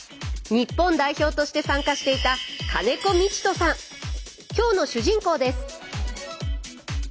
日本代表として参加していた今日の主人公です。